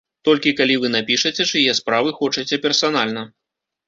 Толькі калі вы напішаце, чые справы хочаце персанальна.